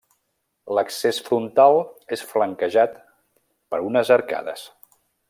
L'accés frontal és flanquejat per unes arcades.